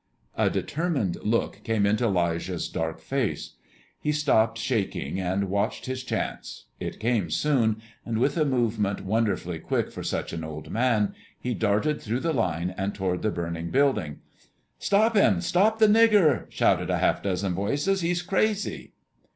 A determined look came into 'Lijah's dark face. He stopped shaking and watched his chance. It came soon, and with a movement wonderfully quick for such an old man, he darted through the line and toward the burning building. "Stop him! Stop the nigger!" shouted half a dozen voices. "He's crazy!"